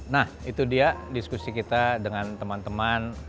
nah itu dia diskusi kita dengan teman teman